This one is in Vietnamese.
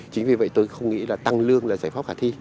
chính vì vậy tôi không nghĩ là tăng lương là giải pháp khả thi